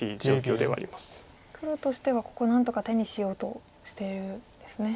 黒としてはここ何とか手にしようとしているんですね。